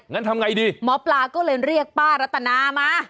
งั้นทำไงดีหมอปลาก็เลยเรียกป้ารัตนามา